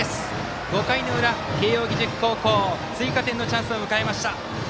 ５回の裏、慶応義塾高校追加点のチャンスを迎えました。